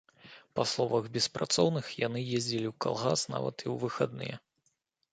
Па словах беспрацоўных, яны ездзілі ў калгас нават і ў выхадныя.